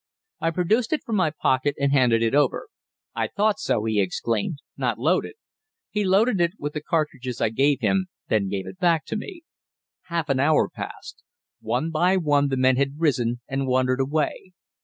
I produced it from my pocket, and handed it over. "I thought so!" he exclaimed. "Not loaded." He loaded it with the cartridges I gave him, then gave it back to me. Half an hour passed. One by one the men had risen and wandered away.